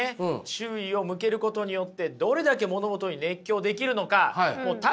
注意を向けることによってどれだけ物事に熱狂できるのか体験してもらいましょう！